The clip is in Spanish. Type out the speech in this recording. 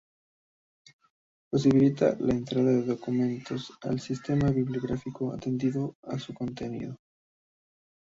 Posibilita la entrada de documentos al sistema bibliográfico atendiendo a su contenido.